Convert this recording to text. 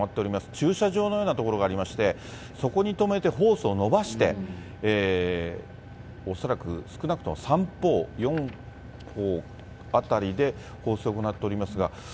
駐車場のような所がありまして、そこに止めてホースを伸ばして、恐らく少なくとも３方、４方あたりで放水を行っておりますが。